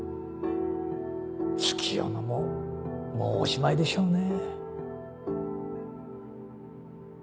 月夜野ももうおしまいでしょうね。